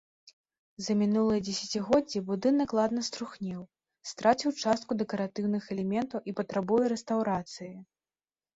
За мінулыя дзесяцігоддзі будынак ладна струхлеў, страціў частку дэкаратыўных элементаў і патрабуе рэстаўрацыі.